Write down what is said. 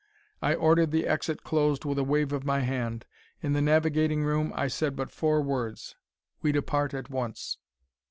I ordered the exit closed with a wave of my hand; in the navigating room I said but four words: "We depart at once."